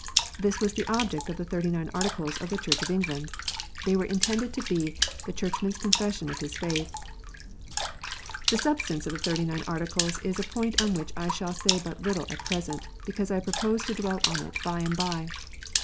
This was the object of the Thirty nine Articles of the Church of England. They were intended to be "the Churchman s Confession of his faith." The substance of the Thirty nine Articles is a point on which I shall say but little at present, because I propose to dwell on it by and by.